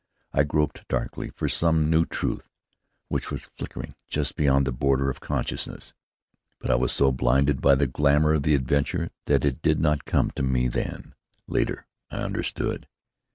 I groped darkly, for some new truth which was flickering just beyond the border of consciousness. But I was so blinded by the glamour of the adventure that it did not come to me then. Later I understood.